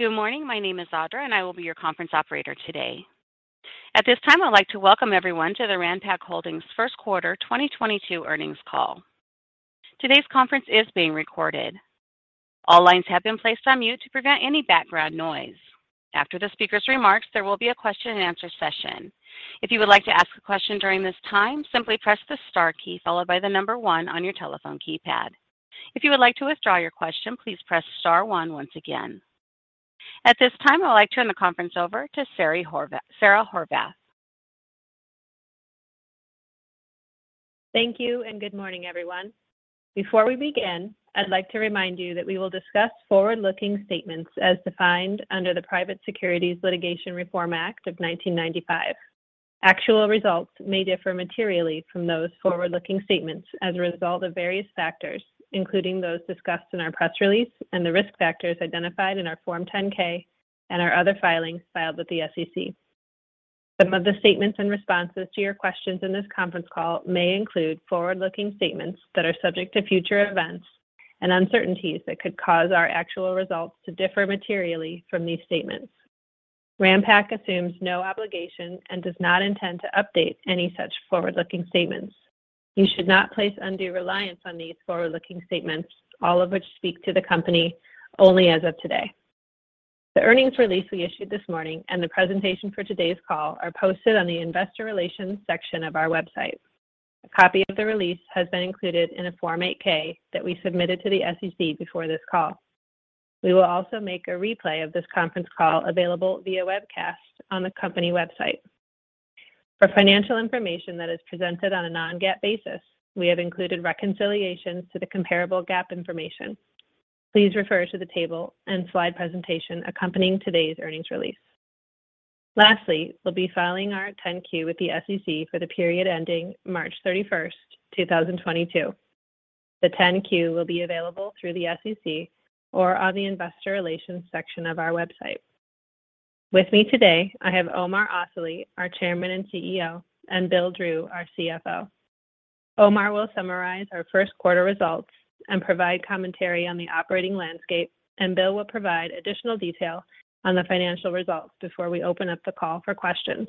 Good morning. My name is Audra, and I will be your conference operator today. At this time, I'd like to welcome everyone to the Ranpak Holdings first quarter 2022 earnings call. Today's conference is being recorded. All lines have been placed on mute to prevent any background noise. After the speaker's remarks, there will be a question-and-answer session. If you would like to ask a question during this time, simply press the star key followed by the number one on your telephone keypad. If you would like to withdraw your question, please press star one once again. At this time, I'd like to turn the conference over to Sara Horvath. Thank you and good morning, everyone. Before we begin, I'd like to remind you that we will discuss forward-looking statements as defined under the Private Securities Litigation Reform Act of 1995. Actual results may differ materially from those forward-looking statements as a result of various factors, including those discussed in our press release and the risk factors identified in our Form 10-K and our other filings filed with the SEC. Some of the statements and responses to your questions in this conference call may include forward-looking statements that are subject to future events and uncertainties that could cause our actual results to differ materially from these statements. Ranpak assumes no obligation and does not intend to update any such forward-looking statements. You should not place undue reliance on these forward-looking statements, all of which speak to the company only as of today. The earnings release we issued this morning and the presentation for today's call are posted on the investor relations section of our website. A copy of the release has been included in a Form 8-K that we submitted to the SEC before this call. We will also make a replay of this conference call available via webcast on the company website. For financial information that is presented on a non-GAAP basis, we have included reconciliations to the comparable GAAP information. Please refer to the table and slide presentation accompanying today's earnings release. Lastly, we'll be filing our 10-Q with the SEC for the period ending March 31st, 2022. The 10-Q will be available through the SEC or on the investor relations section of our website. With me today, I have Omar Asali, our Chairman and CEO, and Bill Drew, our CFO. Omar will summarize our first quarter results and provide commentary on the operating landscape, and Bill will provide additional detail on the financial results before we open up the call for questions.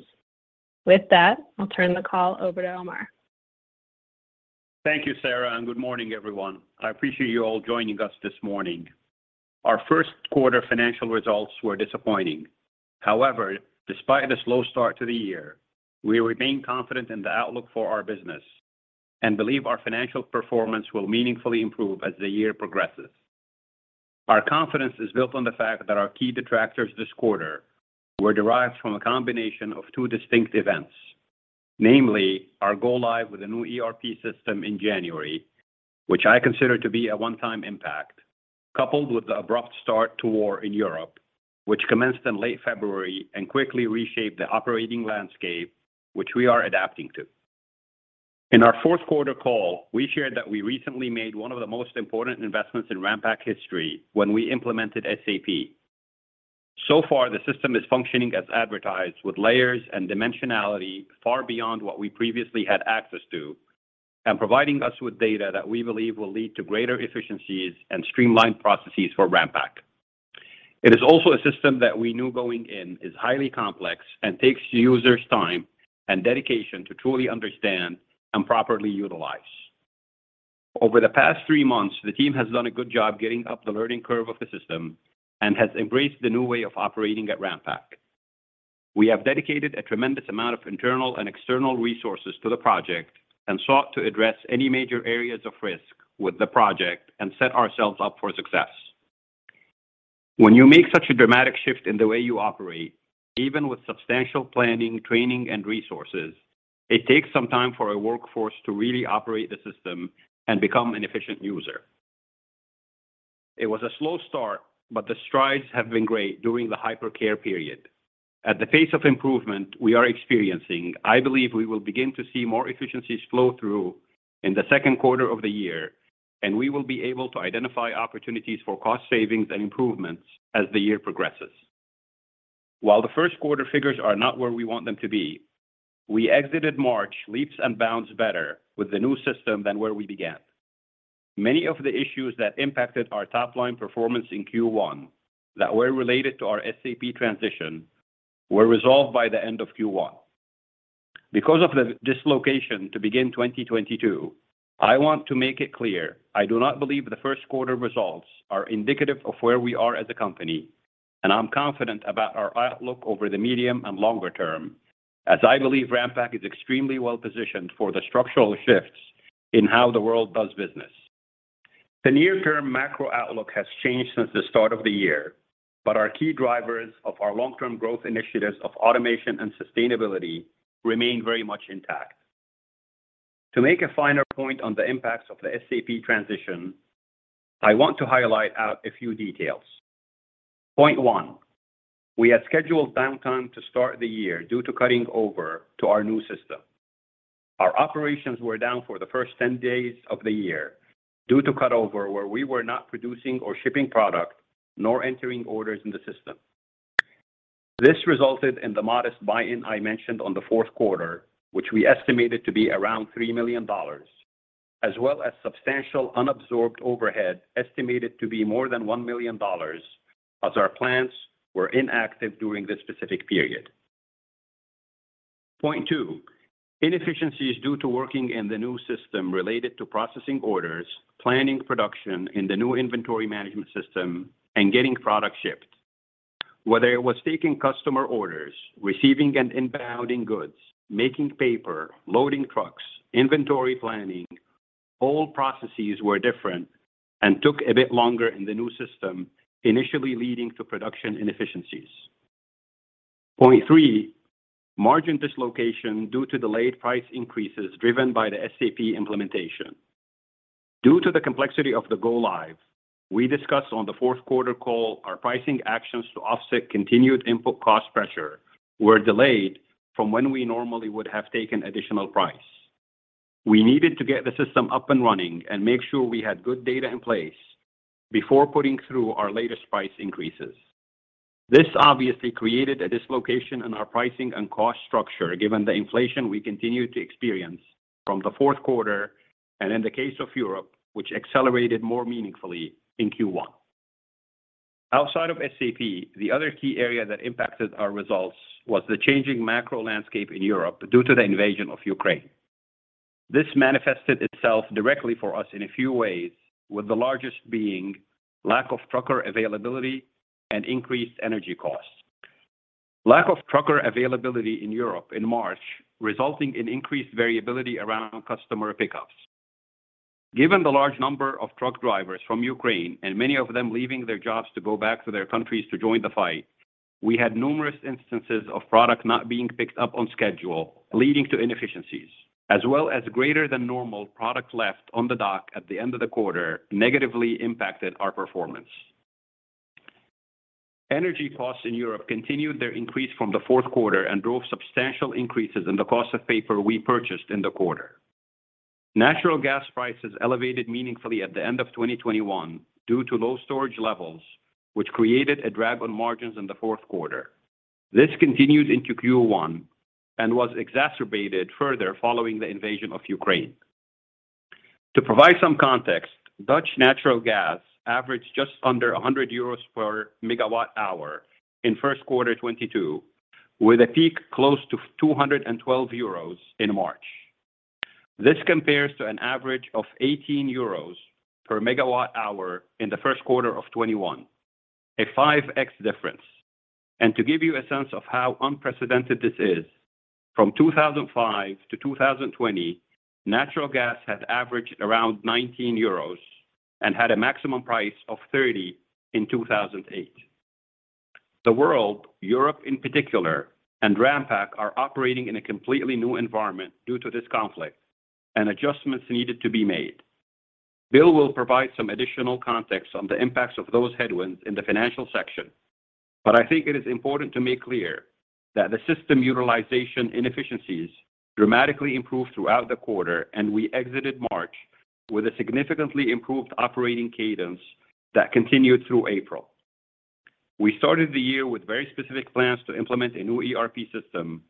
With that, I'll turn the call over to Omar. Thank you, Sara, and good morning, everyone. I appreciate you all joining us this morning. Our first quarter financial results were disappointing. However, despite a slow start to the year, we remain confident in the outlook for our business and believe our financial performance will meaningfully improve as the year progresses. Our confidence is built on the fact that our key detractors this quarter were derived from a combination of two distinct events, namely our go live with a new ERP system in January, which I consider to be a one-time impact, coupled with the abrupt start to war in Europe, which commenced in late February and quickly reshaped the operating landscape, which we are adapting to. In our fourth quarter call, we shared that we recently made one of the most important investments in Ranpak history when we implemented SAP. So far, the system is functioning as advertised with layers and dimensionality far beyond what we previously had access to and providing us with data that we believe will lead to greater efficiencies and streamlined processes for Ranpak. It is also a system that we knew going in is highly complex and takes users time and dedication to truly understand and properly utilize. Over the past three months, the team has done a good job getting up the learning curve of the system and has embraced the new way of operating at Ranpak. We have dedicated a tremendous amount of internal and external resources to the project and sought to address any major areas of risk with the project and set ourselves up for success. When you make such a dramatic shift in the way you operate, even with substantial planning, training, and resources, it takes some time for a workforce to really operate the system and become an efficient user. It was a slow start, but the strides have been great during the hypercare period. At the pace of improvement we are experiencing, I believe we will begin to see more efficiencies flow through in the second quarter of the year, and we will be able to identify opportunities for cost savings and improvements as the year progresses. While the first quarter figures are not where we want them to be, we exited March leaps and bounds better with the new system than where we began. Many of the issues that impacted our top-line performance in Q1 that were related to our SAP transition were resolved by the end of Q1. Because of the dislocation to begin 2022, I want to make it clear I do not believe the first quarter results are indicative of where we are as a company, and I'm confident about our outlook over the medium and longer term, as I believe Ranpak is extremely well-positioned for the structural shifts in how the world does business. The near-term macro outlook has changed since the start of the year, but our key drivers of our long-term growth initiatives of automation and sustainability remain very much intact. To make a finer point on the impacts of the SAP transition, I want to call out a few details. Point one, we had scheduled downtime to start the year due to cutting over to our new system. Our operations were down for the first 10 days of the year due to cut over, where we were not producing or shipping product, nor entering orders in the system. This resulted in the modest buy-in I mentioned on the fourth quarter, which we estimated to be around $3 million, as well as substantial unabsorbed overhead, estimated to be more than $1 million, as our plants were inactive during this specific period. Point 2, inefficiencies due to working in the new system related to processing orders, planning production in the new inventory management system, and getting product shipped. Whether it was taking customer orders, receiving and inbounding goods, making paper, loading trucks, inventory planning, all processes were different and took a bit longer in the new system, initially leading to production inefficiencies. Point 3, margin dislocation due to delayed price increases driven by the SAP implementation. Due to the complexity of the go-live, we discussed on the fourth quarter call our pricing actions to offset continued input cost pressure were delayed from when we normally would have taken additional price. We needed to get the system up and running and make sure we had good data in place before putting through our latest price increases. This obviously created a dislocation in our pricing and cost structure, given the inflation we continued to experience from the fourth quarter, and in the case of Europe, which accelerated more meaningfully in Q1. Outside of SAP, the other key area that impacted our results was the changing macro landscape in Europe due to the invasion of Ukraine. This manifested itself directly for us in a few ways, with the largest being lack of trucker availability and increased energy costs. Lack of trucker availability in Europe in March, resulting in increased variability around customer pickups. Given the large number of truck drivers from Ukraine, and many of them leaving their jobs to go back to their countries to join the fight, we had numerous instances of product not being picked up on schedule, leading to inefficiencies, as well as greater than normal product left on the dock at the end of the quarter negatively impacted our performance. Energy costs in Europe continued their increase from the fourth quarter and drove substantial increases in the cost of paper we purchased in the quarter. Natural gas prices elevated meaningfully at the end of 2021 due to low storage levels, which created a drag on margins in the fourth quarter. This continued into Q1 and was exacerbated further following the invasion of Ukraine. To provide some context, Dutch natural gas averaged just under 100 euros per megawatt hour in first quarter 2022, with a peak close to 212 euros in March. This compares to an average of 18 euros per megawatt hour in the first quarter of 2021, a 5x difference. To give you a sense of how unprecedented this is, from 2005 to 2020, natural gas had averaged around 19 euros and had a maximum price of 30 in 2008. The world, Europe in particular, and Ranpak are operating in a completely new environment due to this conflict, and adjustments needed to be made. Bill will provide some additional context on the impacts of those headwinds in the financial section. I think it is important to make clear that the system utilization inefficiencies dramatically improved throughout the quarter, and we exited March with a significantly improved operating cadence that continued through April. We started the year with very specific plans to implement a new ERP system,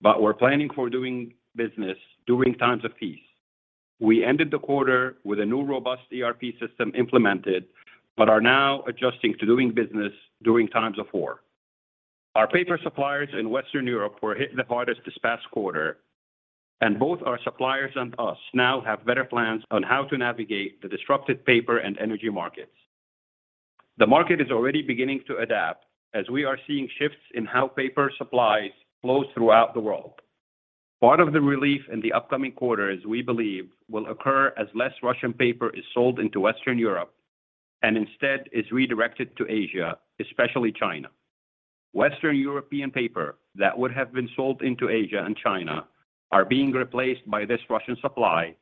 but were planning for doing business during times of peace. We ended the quarter with a new robust ERP system implemented, but are now adjusting to doing business during times of war. Our paper suppliers in Western Europe were hit the hardest this past quarter, and both our suppliers and us now have better plans on how to navigate the disrupted paper and energy markets. The market is already beginning to adapt as we are seeing shifts in how paper supplies flows throughout the world. Part of the relief in the upcoming quarter, as we believe, will occur as less Russian paper is sold into Western Europe and instead is redirected to Asia, especially China. Western European paper that would have been sold into Asia and China are being replaced by this Russian supply,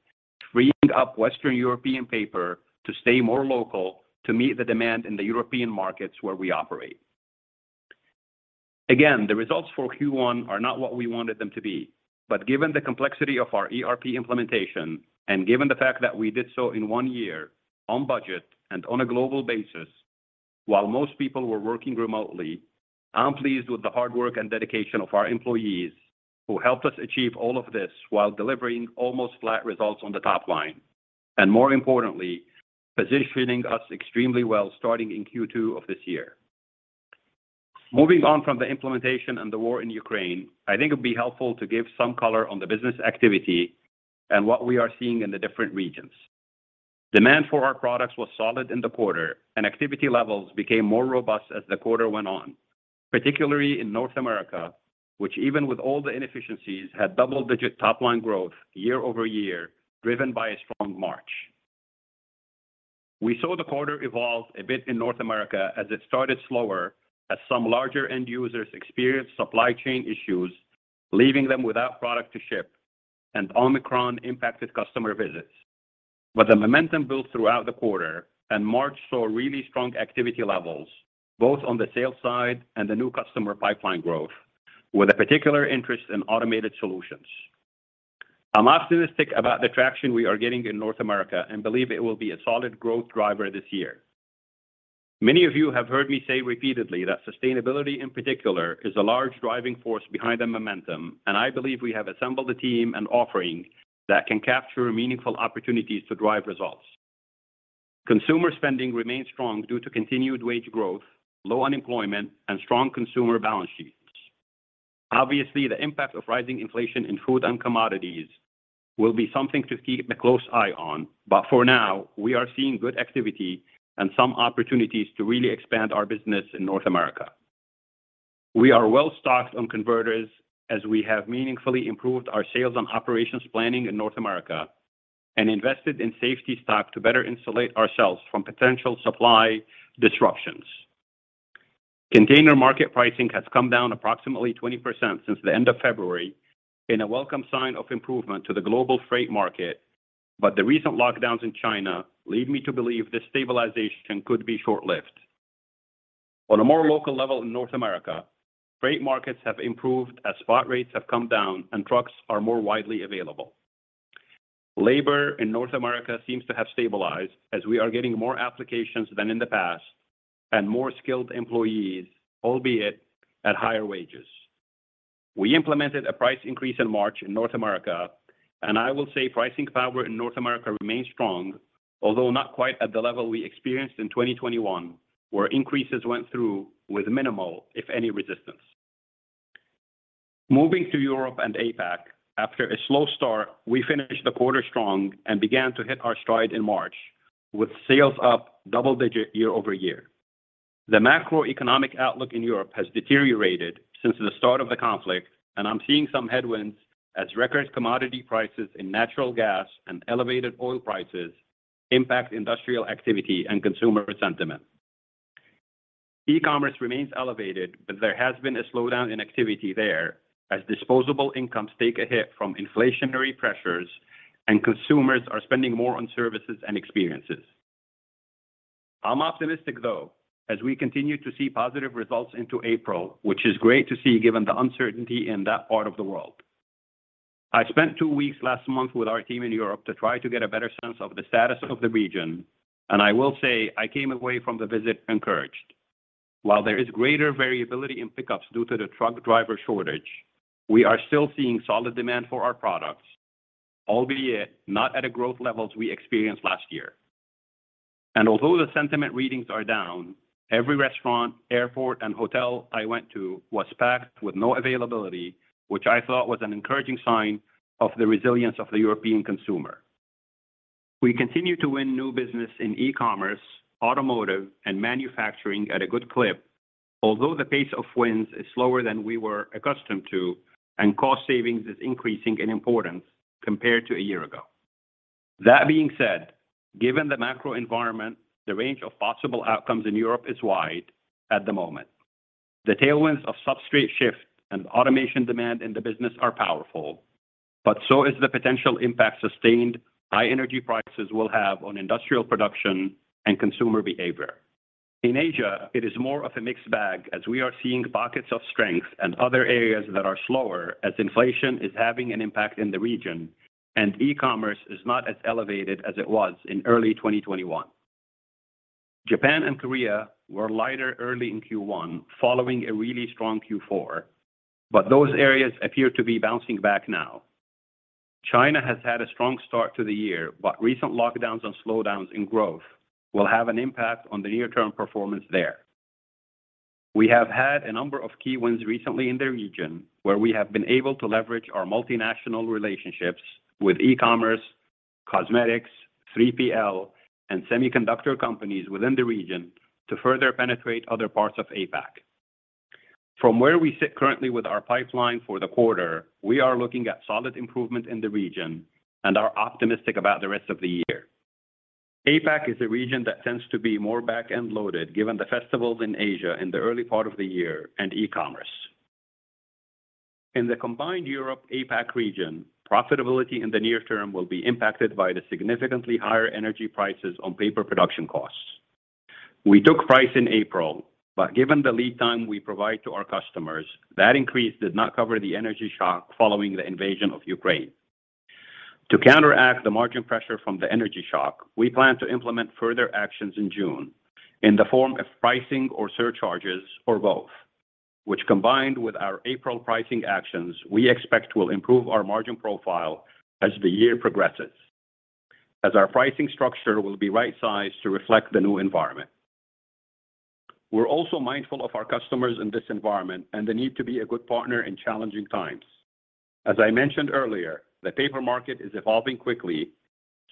freeing up Western European paper to stay more local to meet the demand in the European markets where we operate. Again, the results for Q1 are not what we wanted them to be. Given the complexity of our ERP implementation and given the fact that we did so in one year on budget and on a global basis, while most people were working remotely, I'm pleased with the hard work and dedication of our employees who helped us achieve all of this while delivering almost flat results on the top line, and more importantly, positioning us extremely well starting in Q2 of this year. Moving on from the implementation and the war in Ukraine, I think it'd be helpful to give some color on the business activity and what we are seeing in the different regions. Demand for our products was solid in the quarter, and activity levels became more robust as the quarter went on, particularly in North America, which even with all the inefficiencies, had double-digit top line growth year-over-year, driven by a strong March. We saw the quarter evolve a bit in North America as it started slower as some larger end users experienced supply chain issues, leaving them without product to ship, and Omicron impacted customer visits. The momentum built throughout the quarter, and March saw really strong activity levels, both on the sales side and the new customer pipeline growth, with a particular interest in automated solutions. I'm optimistic about the traction we are getting in North America and believe it will be a solid growth driver this year. Many of you have heard me say repeatedly that sustainability in particular is a large driving force behind the momentum, and I believe we have assembled a team and offering that can capture meaningful opportunities to drive results. Consumer spending remains strong due to continued wage growth, low unemployment, and strong consumer balance sheets. Obviously, the impact of rising inflation in food and commodities will be something to keep a close eye on. For now, we are seeing good activity and some opportunities to really expand our business in North America. We are well-stocked on converters as we have meaningfully improved our sales and operations planning in North America and invested in safety stock to better insulate ourselves from potential supply disruptions. Container market pricing has come down approximately 20% since the end of February in a welcome sign of improvement to the global freight market. The recent lockdowns in China lead me to believe this stabilization could be short-lived. On a more local level in North America, freight markets have improved as spot rates have come down and trucks are more widely available. Labor in North America seems to have stabilized as we are getting more applications than in the past and more skilled employees, albeit at higher wages. We implemented a price increase in March in North America, and I will say pricing power in North America remains strong, although not quite at the level we experienced in 2021, where increases went through with minimal, if any, resistance. Moving to Europe and APAC, after a slow start, we finished the quarter strong and began to hit our stride in March with sales up double-digit year-over-year. The macroeconomic outlook in Europe has deteriorated since the start of the conflict, and I'm seeing some headwinds as record commodity prices in natural gas and elevated oil prices impact industrial activity and consumer sentiment. E-commerce remains elevated, but there has been a slowdown in activity there as disposable incomes take a hit from inflationary pressures and consumers are spending more on services and experiences. I'm optimistic, though, as we continue to see positive results into April, which is great to see given the uncertainty in that part of the world. I spent two weeks last month with our team in Europe to try to get a better sense of the status of the region. I will say I came away from the visit encouraged. While there is greater variability in pickups due to the truck driver shortage, we are still seeing solid demand for our products, albeit not at the growth levels we experienced last year. Although the sentiment readings are down, every restaurant, airport, and hotel I went to was packed with no availability, which I thought was an encouraging sign of the resilience of the European consumer. We continue to win new business in e-commerce, automotive, and manufacturing at a good clip. Although the pace of wins is slower than we were accustomed to, and cost savings is increasing in importance compared to a year ago. That being said, given the macro environment, the range of possible outcomes in Europe is wide at the moment. The tailwinds of substrate shift and automation demand in the business are powerful, but so is the potential impact sustained high energy prices will have on industrial production and consumer behavior. In Asia, it is more of a mixed bag as we are seeing pockets of strength and other areas that are slower as inflation is having an impact in the region and e-commerce is not as elevated as it was in early 2021. Japan and Korea were lighter early in Q1 following a really strong Q4, but those areas appear to be bouncing back now. China has had a strong start to the year, but recent lockdowns and slowdowns in growth will have an impact on the near-term performance there. We have had a number of key wins recently in the region where we have been able to leverage our multinational relationships with e-commerce, cosmetics, 3PL, and semiconductor companies within the region to further penetrate other parts of APAC. From where we sit currently with our pipeline for the quarter, we are looking at solid improvement in the region and are optimistic about the rest of the year. APAC is a region that tends to be more back-end loaded given the festivals in Asia in the early part of the year and e-commerce. In the combined Europe-APAC region, profitability in the near term will be impacted by the significantly higher energy prices on paper production costs. We took price in April, but given the lead time we provide to our customers, that increase did not cover the energy shock following the invasion of Ukraine. To counteract the margin pressure from the energy shock, we plan to implement further actions in June in the form of pricing or surcharges or both, which combined with our April pricing actions, we expect will improve our margin profile as the year progresses, as our pricing structure will be right-sized to reflect the new environment. We're also mindful of our customers in this environment and the need to be a good partner in challenging times. As I mentioned earlier, the paper market is evolving quickly,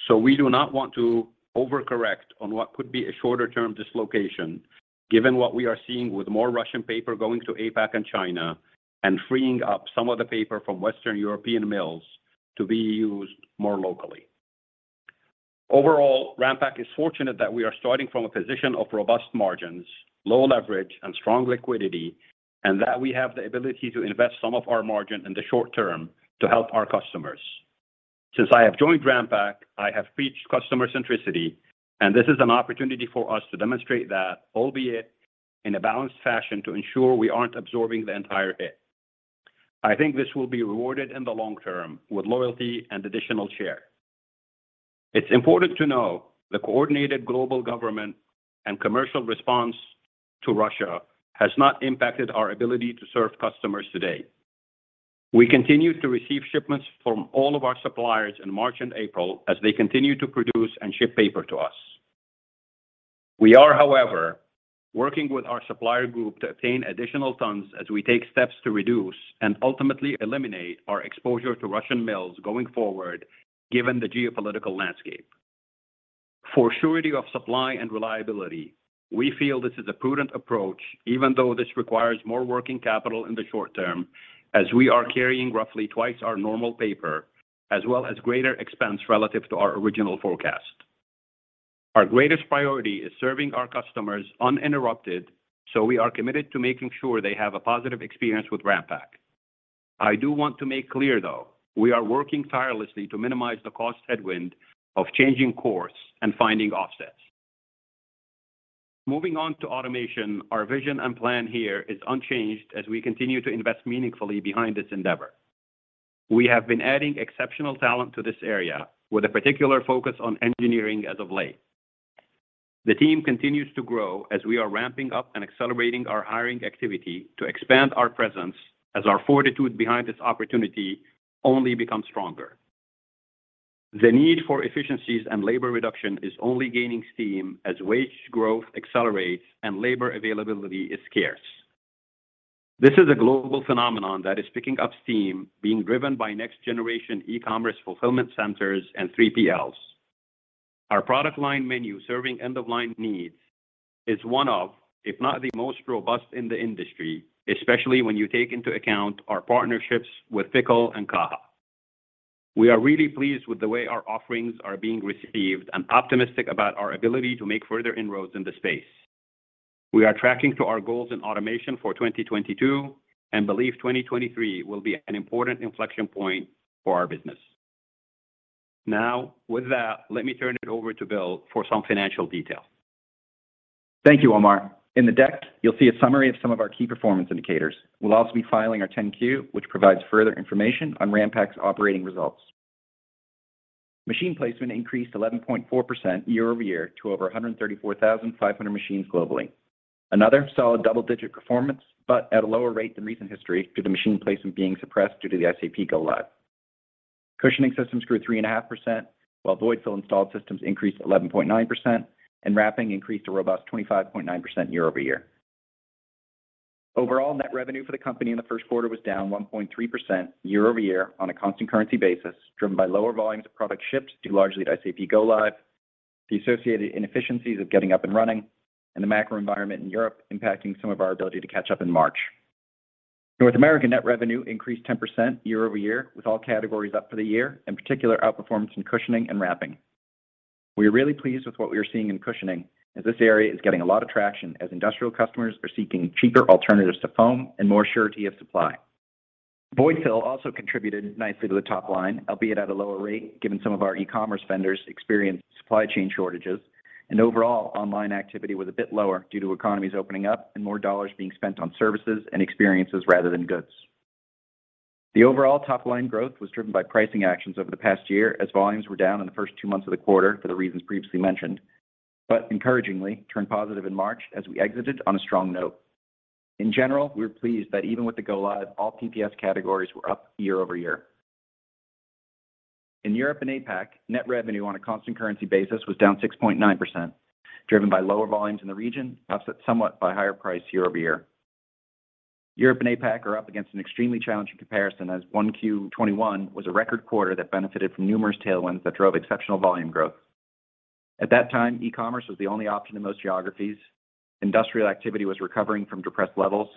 so we do not want to overcorrect on what could be a shorter-term dislocation given what we are seeing with more Russian paper going to APAC and China and freeing up some of the paper from Western European mills to be used more locally. Overall, Ranpak is fortunate that we are starting from a position of robust margins, low leverage, and strong liquidity, and that we have the ability to invest some of our margin in the short term to help our customers. Since I have joined Ranpak, I have preached customer centricity, and this is an opportunity for us to demonstrate that, albeit in a balanced fashion to ensure we aren't absorbing the entire hit. I think this will be rewarded in the long term with loyalty and additional share. It's important to know the coordinated global government and commercial response to Russia has not impacted our ability to serve customers today. We continue to receive shipments from all of our suppliers in March and April as they continue to produce and ship paper to us. We are, however, working with our supplier group to obtain additional tons as we take steps to reduce and ultimately eliminate our exposure to Russian mills going forward, given the geopolitical landscape. For surety of supply and reliability, we feel this is a prudent approach, even though this requires more working capital in the short term, as we are carrying roughly twice our normal paper, as well as greater expense relative to our original forecast. Our greatest priority is serving our customers uninterrupted, so we are committed to making sure they have a positive experience with Ranpak. I do want to make clear, though, we are working tirelessly to minimize the cost headwind of changing course and finding offsets. Moving on to automation, our vision and plan here is unchanged as we continue to invest meaningfully behind this endeavor. We have been adding exceptional talent to this area, with a particular focus on engineering as of late. The team continues to grow as we are ramping up and accelerating our hiring activity to expand our presence as our fortitude behind this opportunity only becomes stronger. The need for efficiencies and labor reduction is only gaining steam as wage growth accelerates and labor availability is scarce. This is a global phenomenon that is picking up steam, being driven by next generation e-commerce fulfillment centers and 3PLs. Our product line menu serving end-of-line needs is one of, if not the most robust in the industry, especially when you take into account our partnerships with Pickle and Caja. We are really pleased with the way our offerings are being received and optimistic about our ability to make further inroads in the space. We are tracking to our goals in automation for 2022 and believe 2023 will be an important inflection point for our business. Now, with that, let me turn it over to Bill for some financial detail. Thank you, Omar. In the deck, you'll see a summary of some of our key performance indicators. We'll also be filing our 10-Q, which provides further information on Ranpak's operating results. Machine placement increased 11.4% year-over-year to over 134,500 machines globally. Another solid double-digit performance, but at a lower rate than recent history due to machine placement being suppressed due to the SAP go live. Cushioning systems grew 3.5%, while void fill installed systems increased 11.9%, and wrapping increased a robust 25.9% year-over-year. Overall net revenue for the company in the first quarter was down 1.3% year-over-year on a constant currency basis, driven by lower volumes of product shipped due largely to SAP go live, the associated inefficiencies of getting up and running, and the macro environment in Europe impacting some of our ability to catch up in March. North American net revenue increased 10% year-over-year, with all categories up for the year, in particular outperformance in cushioning and wrapping. We are really pleased with what we are seeing in cushioning, as this area is getting a lot of traction as industrial customers are seeking cheaper alternatives to foam and more surety of supply. Void fill also contributed nicely to the top line, albeit at a lower rate, given some of our e-commerce vendors experienced supply chain shortages, and overall online activity was a bit lower due to economies opening up and more dollars being spent on services and experiences rather than goods. The overall top line growth was driven by pricing actions over the past year as volumes were down in the first two months of the quarter for the reasons previously mentioned, but encouragingly turned positive in March as we exited on a strong note. In general, we are pleased that even with the go-live, all PPS categories were up year-over-year. In Europe and APAC, net revenue on a constant currency basis was down 6.9%, driven by lower volumes in the region, offset somewhat by higher price year-over-year. Europe and APAC are up against an extremely challenging comparison as Q1 2021 was a record quarter that benefited from numerous tailwinds that drove exceptional volume growth. At that time, e-commerce was the only option in most geographies. Industrial activity was recovering from depressed levels.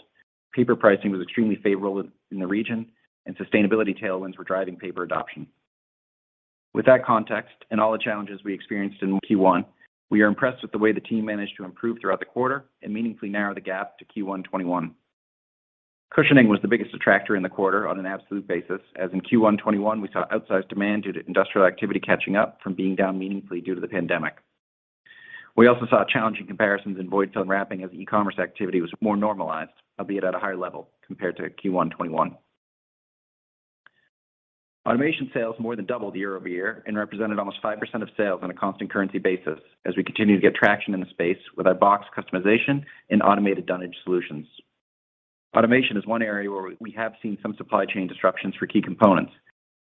Paper pricing was extremely favorable in the region, and sustainability tailwinds were driving paper adoption. With that context and all the challenges we experienced in Q1, we are impressed with the way the team managed to improve throughout the quarter and meaningfully narrow the gap to Q1 2021. Cushioning was the biggest attractor in the quarter on an absolute basis, as in Q1 2021 we saw outsized demand due to industrial activity catching up from being down meaningfully due to the pandemic. We also saw challenging comparisons in void fill and wrapping as e-commerce activity was more normalized, albeit at a higher level compared to Q1 2021. Automation sales more than doubled year-over-year and represented almost 5% of sales on a constant currency basis as we continue to get traction in the space with our box customization and automated dunnage solutions. Automation is one area where we have seen some supply chain disruptions for key components,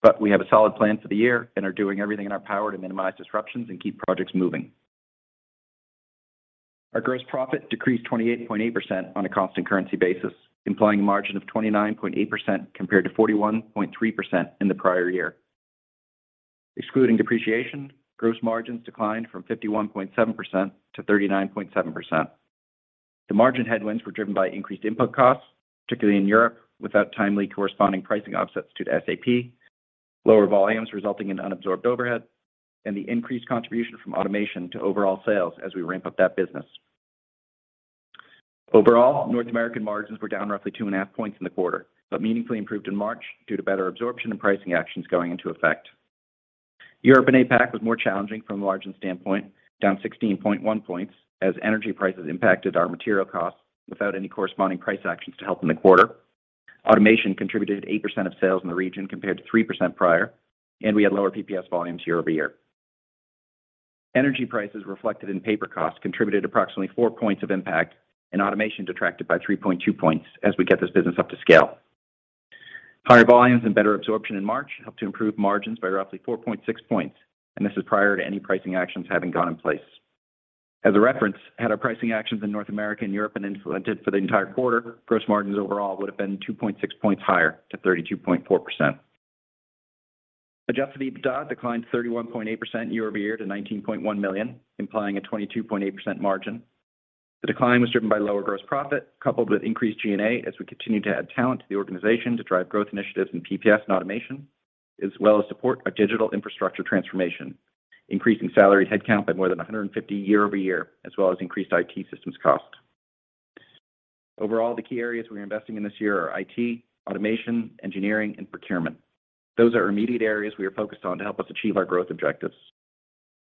but we have a solid plan for the year and are doing everything in our power to minimize disruptions and keep projects moving. Our gross profit decreased 28.8% on a constant currency basis, implying a margin of 29.8% compared to 41.3% in the prior year. Excluding depreciation, gross margins declined from 51.7% to 39.7%. The margin headwinds were driven by increased input costs, particularly in Europe, without timely corresponding pricing offsets due to SAP, lower volumes resulting in unabsorbed overhead, and the increased contribution from automation to overall sales as we ramp up that business. Overall, North American margins were down roughly 2.5 points in the quarter, but meaningfully improved in March due to better absorption and pricing actions going into effect. Europe and APAC was more challenging from a margin standpoint, down 16.1 points as energy prices impacted our material costs without any corresponding price actions to help in the quarter. Automation contributed 8% of sales in the region compared to 3% prior, and we had lower PPS volumes year-over-year. Energy prices reflected in paper costs contributed approximately 4 points of impact, and automation detracted by 3.2 points as we get this business up to scale. Higher volumes and better absorption in March helped to improve margins by roughly 4.6 points, and this is prior to any pricing actions having gone in place. As a reference, had our pricing actions in North America and Europe been implemented for the entire quarter, gross margins overall would have been 2.6 points higher to 32.4%. Adjusted EBITDA declined 31.8% year-over-year to $19.1 million, implying a 22.8% margin. The decline was driven by lower gross profit, coupled with increased G&A as we continue to add talent to the organization to drive growth initiatives in PPS and automation, as well as support our digital infrastructure transformation, increasing salary headcount by more than 150 year-over-year, as well as increased IT systems cost. Overall, the key areas we are investing in this year are IT, automation, engineering and procurement. Those are immediate areas we are focused on to help us achieve our growth objectives.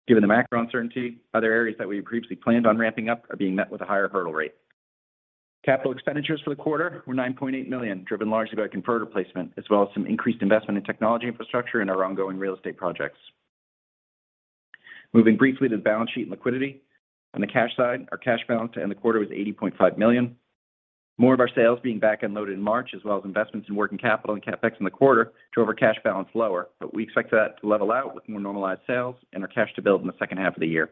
Given the macro uncertainty, other areas that we previously planned on ramping up are being met with a higher hurdle rate. Capital expenditures for the quarter were $9.8 million, driven largely by converter placement as well as some increased investment in technology infrastructure and our ongoing real estate projects. Moving briefly to the balance sheet and liquidity. On the cash side, our cash balance to end the quarter was $80.5 million. More of our sales being back end loaded in March, as well as investments in working capital and CapEx in the quarter drove our cash balance lower. We expect that to level out with more normalized sales and our cash to build in the second half of the year.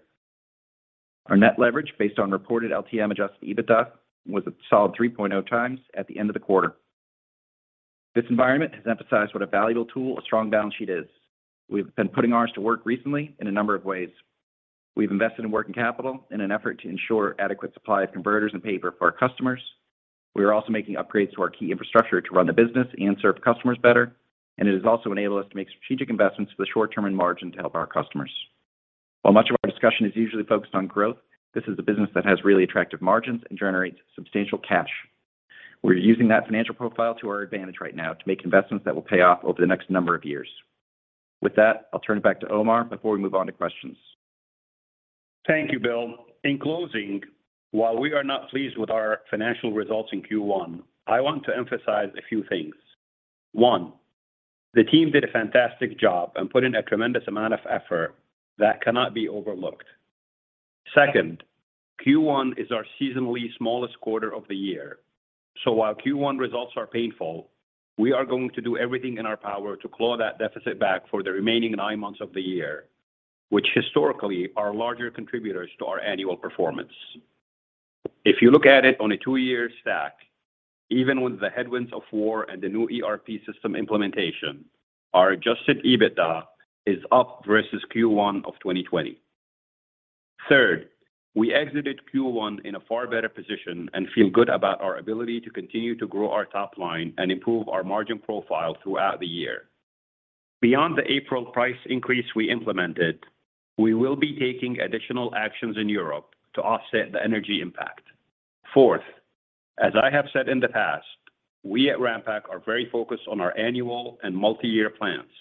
Our net leverage based on reported LTM adjusted EBITDA was a solid 3.0x at the end of the quarter. This environment has emphasized what a valuable tool a strong balance sheet is. We've been putting ours to work recently in a number of ways. We've invested in working capital in an effort to ensure adequate supply of converters and paper for our customers. We are also making upgrades to our key infrastructure to run the business and serve customers better. It has also enabled us to make strategic investments for the short term and margin to help our customers. While much of our discussion is usually focused on growth, this is a business that has really attractive margins and generates substantial cash. We're using that financial profile to our advantage right now to make investments that will pay off over the next number of years. With that, I'll turn it back to Omar before we move on to questions. Thank you, Bill. In closing, while we are not pleased with our financial results in Q1, I want to emphasize a few things. One, the team did a fantastic job and put in a tremendous amount of effort that cannot be overlooked. Second, Q1 is our seasonally smallest quarter of the year. While Q1 results are painful, we are going to do everything in our power to claw that deficit back for the remaining nine months of the year, which historically are larger contributors to our annual performance. If you look at it on a two-year stack, even with the headwinds of war and the new ERP system implementation, our adjusted EBITDA is up versus Q1 of 2020. Third, we exited Q1 in a far better position and feel good about our ability to continue to grow our top line and improve our margin profile throughout the year. Beyond the April price increase we implemented, we will be taking additional actions in Europe to offset the energy impact. Fourth, as I have said in the past, we at Ranpak are very focused on our annual and multi-year plans.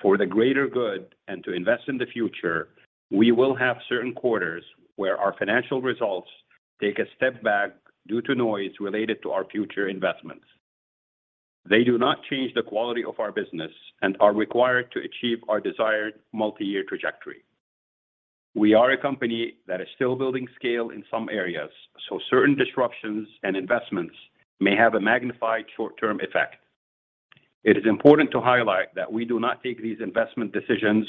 For the greater good and to invest in the future, we will have certain quarters where our financial results take a step back due to noise related to our future investments. They do not change the quality of our business and are required to achieve our desired multi-year trajectory. We are a company that is still building scale in some areas, so certain disruptions and investments may have a magnified short-term effect. It is important to highlight that we do not take these investment decisions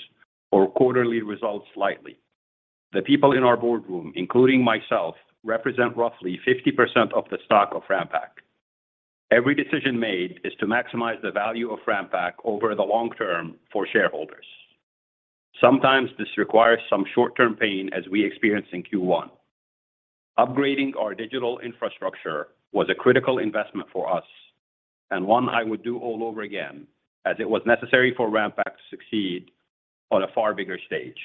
or quarterly results lightly. The people in our boardroom, including myself, represent roughly 50% of the stock of Ranpak. Every decision made is to maximize the value of Ranpak over the long term for shareholders. Sometimes this requires some short-term pain as we experienced in Q1. Upgrading our digital infrastructure was a critical investment for us, and one I would do all over again as it was necessary for Ranpak to succeed on a far bigger stage.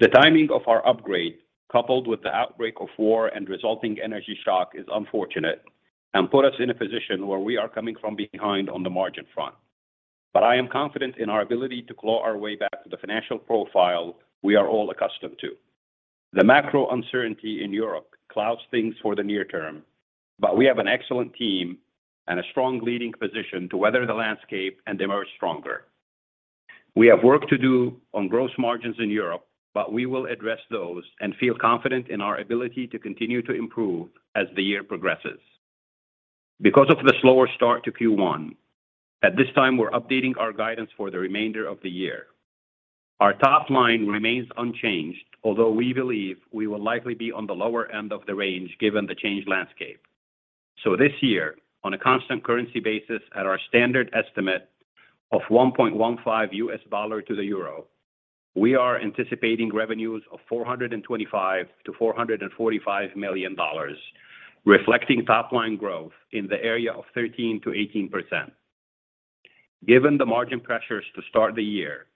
The timing of our upgrade, coupled with the outbreak of war and resulting energy shock, is unfortunate and put us in a position where we are coming from behind on the margin front. I am confident in our ability to claw our way back to the financial profile we are all accustomed to. The macro uncertainty in Europe clouds things for the near term, but we have an excellent team and a strong leading position to weather the landscape and emerge stronger. We have work to do on gross margins in Europe, but we will address those and feel confident in our ability to continue to improve as the year progresses. Because of the slower start to Q1, at this time we're updating our guidance for the remainder of the year. Our top line remains unchanged, although we believe we will likely be on the lower end of the range given the changed landscape. This year, on a constant currency basis at our standard estimate of $1.15 to the euro, we are anticipating revenues of $425 million-$445 million, reflecting top line growth in the area of 13%-18%. Given the margin pressures to start the year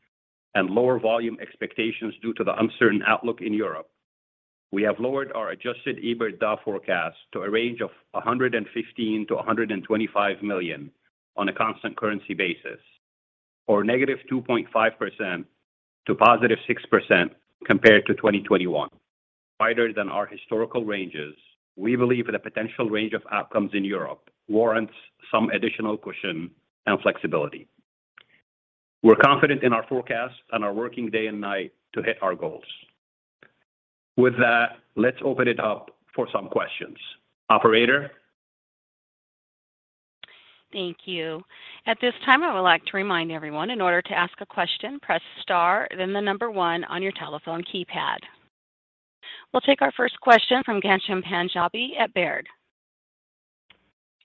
and lower volume expectations due to the uncertain outlook in Europe. We have lowered our adjusted EBITDA forecast to a range of $115 million-$125 million on a constant currency basis, or -2.5% to +6% compared to 2021. Wider than our historical ranges, we believe the potential range of outcomes in Europe warrants some additional cushion and flexibility. We're confident in our forecast and are working day and night to hit our goals. With that, let's open it up for some questions. Operator? Thank you. At this time, I would like to remind everyone, in order to ask a question, press star then the number one on your telephone keypad. We'll take our first question from Ghansham Panjabi at Baird.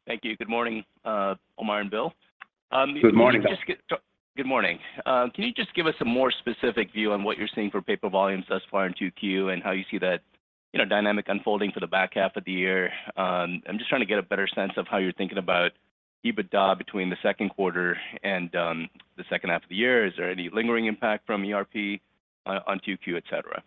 Thank you. Good morning, Omar and Bill. Good morning. Good morning. Can you just give us a more specific view on what you're seeing for paper volumes thus far in Q2 and how you see that, you know, dynamic unfolding for the back half of the year? I'm just trying to get a better sense of how you're thinking about EBITDA between the second quarter and the second half of the year. Is there any lingering impact from ERP on Q2, et cetera?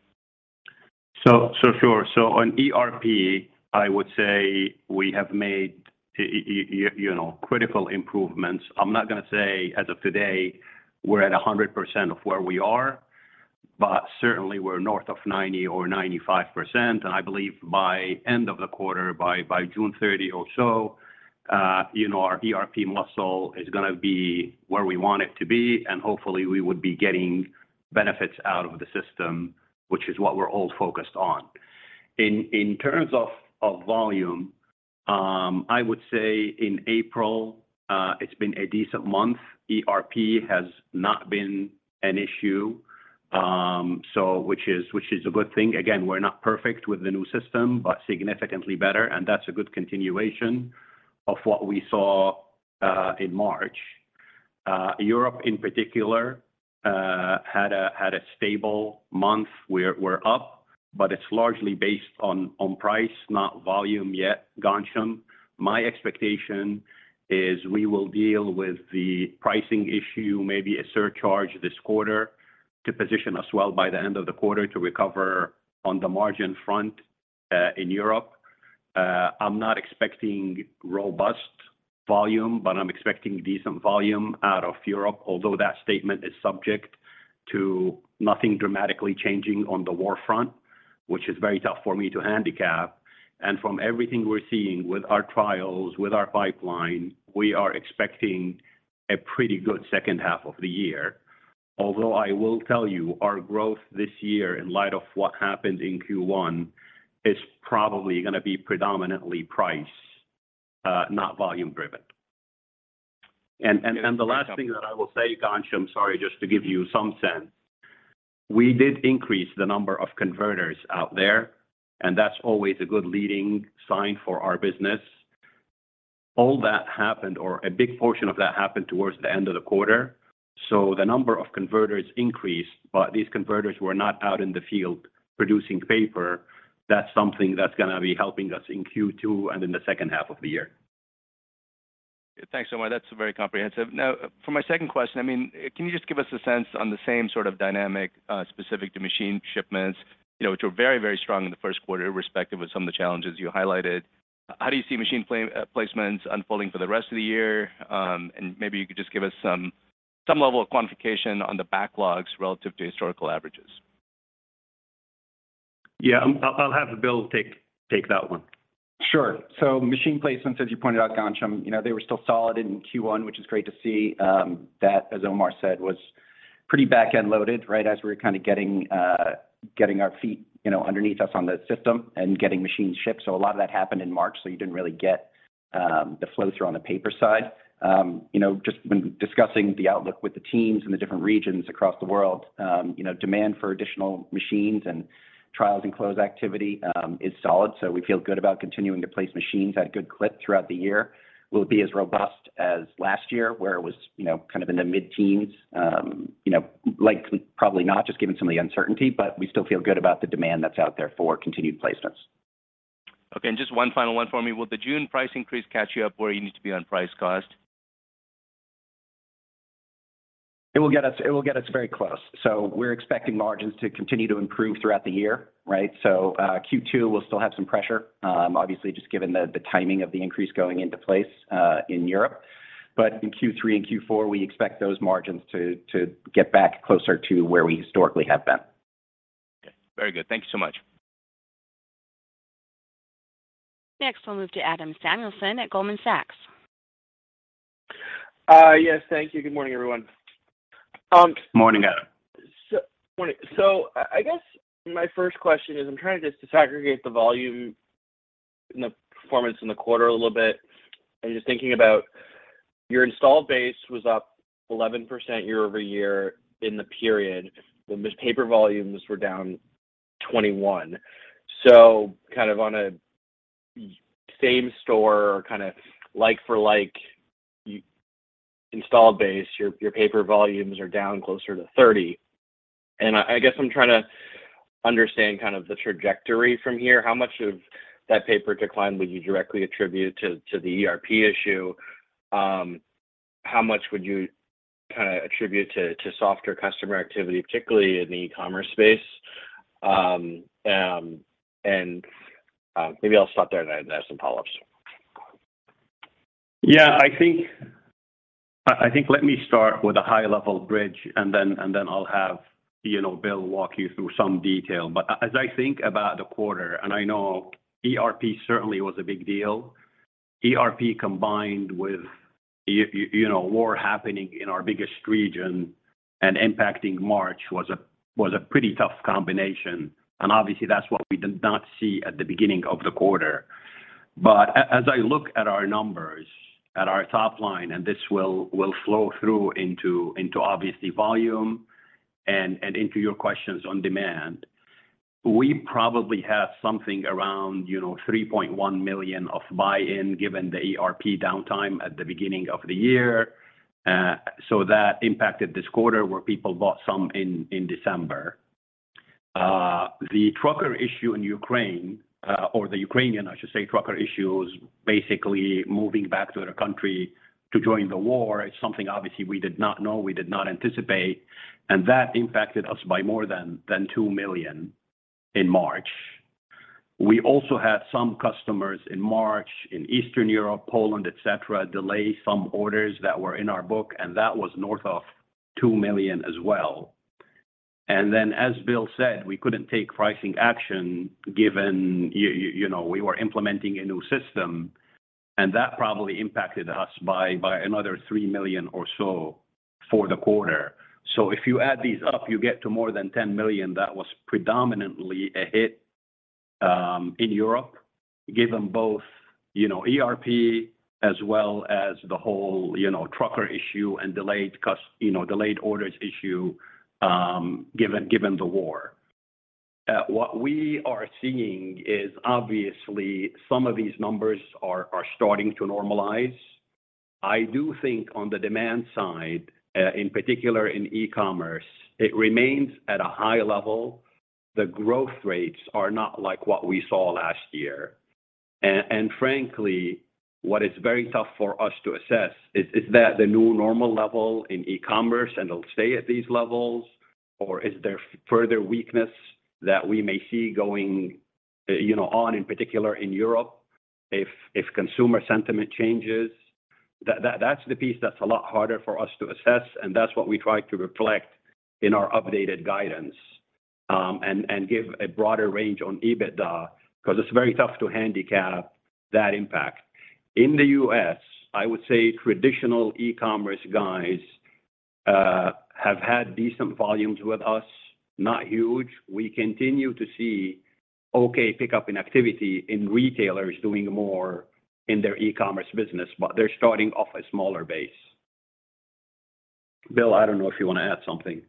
Sure. On ERP, I would say we have made you know, critical improvements. I'm not gonna say as of today, we're at 100% of where we are, but certainly we're north of 90% or 95%. I believe by end of the quarter, by June 30 or so, you know, our ERP muscle is gonna be where we want it to be, and hopefully we would be getting benefits out of the system, which is what we're all focused on. In terms of volume, I would say in April, it's been a decent month. ERP has not been an issue, so which is a good thing. Again, we're not perfect with the new system, but significantly better, and that's a good continuation of what we saw in March. Europe in particular had a stable month. We're up, but it's largely based on price, not volume yet, Ghansham. My expectation is we will deal with the pricing issue, maybe a surcharge this quarter to position us well by the end of the quarter to recover on the margin front in Europe. I'm not expecting robust volume, but I'm expecting decent volume out of Europe, although that statement is subject to nothing dramatically changing on the war front, which is very tough for me to handicap. From everything we're seeing with our trials, with our pipeline, we are expecting a pretty good second half of the year. Although I will tell you, our growth this year, in light of what happened in Q1, is probably gonna be predominantly price, not volume driven. The last thing that I will say, Ghansham, sorry, just to give you some sense. We did increase the number of converters out there, and that's always a good leading sign for our business. All that happened or a big portion of that happened towards the end of the quarter. The number of converters increased, but these converters were not out in the field producing paper. That's something that's gonna be helping us in Q2 and in the second half of the year. Thanks, Omar. That's very comprehensive. Now for my second question, I mean, can you just give us a sense on the same sort of dynamic, specific to machine shipments, you know, which were very, very strong in the first quarter, irrespective of some of the challenges you highlighted. How do you see machine placements unfolding for the rest of the year? Maybe you could just give us some level of quantification on the backlogs relative to historical averages. Yeah. I'll have Bill take that one. Sure. Machine placements, as you pointed out, Ghansham, you know, they were still solid in Q1, which is great to see. That, as Omar said, was pretty back-end loaded, right, as we're kind of getting our feet, you know, underneath us on the system and getting machines shipped. A lot of that happened in March, so you didn't really get the flow-through on the paper side. You know, just when discussing the outlook with the teams in the different regions across the world, you know, demand for additional machines and trials and close activity is solid. We feel good about continuing to place machines at good clip throughout the year. Will it be as robust as last year where it was, you know, kind of in the mid-teens? You know, likely probably not, just given some of the uncertainty, but we still feel good about the demand that's out there for continued placements. Okay, just one final one for me. Will the June price increase catch you up where you need to be on price cost? It will get us very close. We're expecting margins to continue to improve throughout the year, right? Q2 will still have some pressure, obviously, just given the timing of the increase going into place, in Europe. But in Q3 and Q4, we expect those margins to get back closer to where we historically have been. Okay. Very good. Thank you so much. Next, we'll move to Adam Samuelson at Goldman Sachs. Yes. Thank you. Good morning, everyone. Morning, Adam. Morning. I guess my first question is I'm trying to just disaggregate the volume and the performance in the quarter a little bit. I'm just thinking about your installed base was up 11% year-over-year in the period, but paper volumes were down 21%. Kind of on a same-store or kinda like for-like installed base, your paper volumes are down closer to 30%. I guess I'm trying to understand kind of the trajectory from here. How much of that paper decline would you directly attribute to the ERP issue? How much would you kind of attribute to softer customer activity, particularly in the e-commerce space. Maybe I'll stop there and I have some follow-ups. Yeah, I think let me start with a high-level bridge, and then I'll have, you know, Bill walk you through some detail. As I think about the quarter, and I know ERP certainly was a big deal. ERP combined with the war happening in our biggest region and impacting March was a pretty tough combination. Obviously that's what we did not see at the beginning of the quarter. As I look at our numbers, at our top line, and this will flow through into obviously volume and into your questions on demand. We probably have something around, you know, $3.1 million of buy-in given the ERP downtime at the beginning of the year. So that impacted this quarter where people bought some in December. The trucker issue in Ukraine, or the Ukrainian, I should say, trucker issue is basically moving back to their country to join the war is something obviously we did not know, we did not anticipate, and that impacted us by more than $2 million in March. We also had some customers in March in Eastern Europe, Poland, et cetera, delay some orders that were in our book, and that was north of $2 million as well. Then, as Bill said, we couldn't take pricing action given you know, we were implementing a new system, and that probably impacted us by another $3 million or so for the quarter. If you add these up, you get to more than $10 million that was predominantly a hit in Europe, given both, you know, ERP as well as the whole, you know, trucker issue and delayed orders issue, given the war. What we are seeing is obviously some of these numbers are starting to normalize. I do think on the demand side, in particular in e-commerce, it remains at a high level. The growth rates are not like what we saw last year. Frankly, what is very tough for us to assess is that the new normal level in e-commerce, and it'll stay at these levels, or is there further weakness that we may see going on, in particular in Europe if consumer sentiment changes? That's the piece that's a lot harder for us to assess, and that's what we try to reflect in our updated guidance, and give a broader range on EBITDA because it's very tough to handicap that impact. In the U.S., I would say traditional e-commerce guys have had decent volumes with us, not huge. We continue to see okay pickup in activity in retailers doing more in their e-commerce business, but they're starting off a smaller base. Bill, I don't know if you wanna add something.